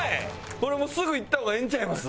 これもうすぐいった方がええんちゃいます？